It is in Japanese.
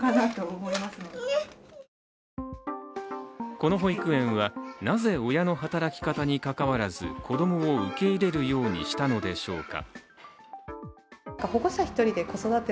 この保育園はなぜ、親の働き方にかかわらず子供を受け入れるようにしたのでしょうか。